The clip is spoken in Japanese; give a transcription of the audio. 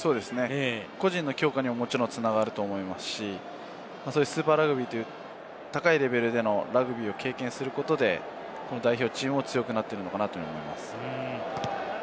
個人の強化にももちろん繋がると思いますし、スーパーラグビーという高いレベルでのラグビーを経験することで、代表チームも強くなっているのかなと思います。